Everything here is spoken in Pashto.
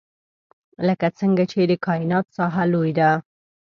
لکه څنګه چې د کاینات ساحه لوی ده.